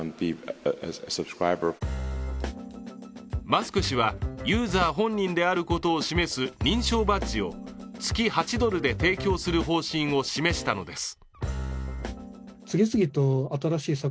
マスク氏はユーザー本人であることを示す認証バッジを月８ドルで提供する方針を示したのです。